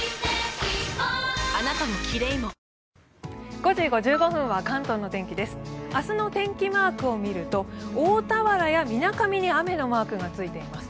５時５５分は関東の天気です。